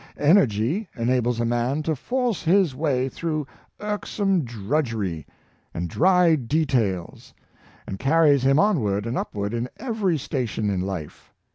Energy enables a man to force his way through irksome drudgery and dry details, and car ries him onward and upward in every station in life.